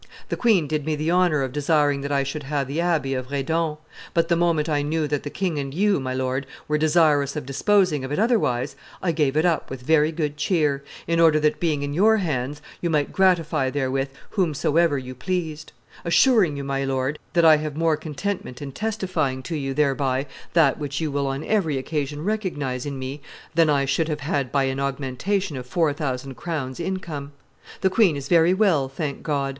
The queen did me the honor of desiring that I should have the abbey of Redon; but the moment I knew that the king and you, my lord, were desirous of disposing of it otherwise, I gave it up with very good cheer, in order that being in your hands you might gratify therewith whomsoever you pleased; assuring you, my lord, that I have more contentment in testifying to you thereby that which you will on every occasion recognize in me, than I should have had by an augmentation of four thousand crowns' income. The queen is very well, thank God.